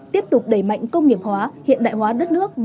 tiếp tục đẩy mạnh công nghiệp hóa hiện đại hóa đất nước